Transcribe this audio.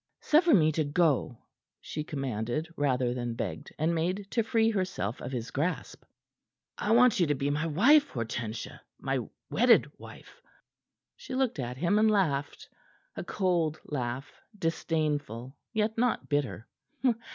"Suffer me to go," she commanded, rather than begged, and made to free herself of his grasp. "I want you to be my wife, Hortensia my wedded wife." She looked at him, and laughed; a cold laugh, disdainful, yet not bitter.